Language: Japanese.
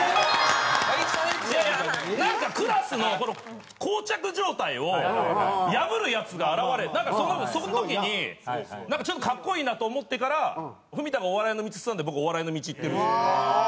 いやいやなんかクラスの膠着状態を破るヤツが現れなんかその時にちょっと格好いいなと思ってから文田がお笑いの道進んだんで僕はお笑いの道いってるんですよ。